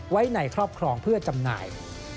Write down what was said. ไว้ในครอบครองเพื่อจำหน่าย